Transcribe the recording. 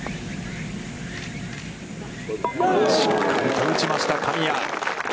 しっかりと打ちました神谷。